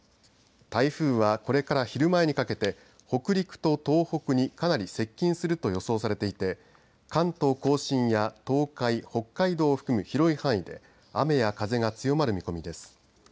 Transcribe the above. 台風は、これから昼前にかけて北陸と東北に、かなり接近すると予想されていて関東甲信や東海北海道を含む広い範囲で雨や風が強まる見込みです。